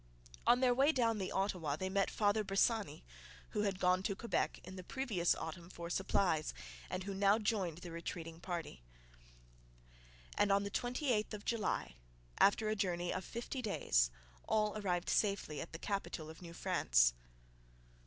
On their way down the Ottawa they met Father Bressani, who had gone to Quebec in the previous autumn for supplies, and who now joined the retreating party. And on the 28th of July, after a journey of fifty days, all arrived safely at the capital of New France.